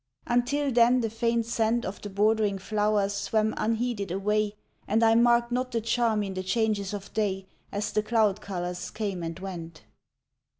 Until then the faint scent Of the bordering flowers swam unheeded away, And I marked not the charm in the changes of day As the cloud colours came and went.